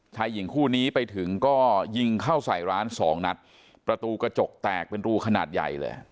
ชายหญิงคู่นี้ไปถึงก็ยิงเข้าใส่ร้านสองนัดประตูกระจกแตกเป็นรูขนาดใหญ่เลย